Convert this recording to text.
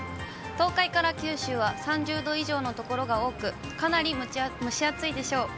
東海から九州は３０度以上の所が多く、かなり蒸し暑いでしょう。